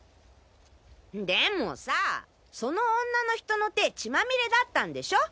でもさぁその女の人の手血まみれだったんでしょ？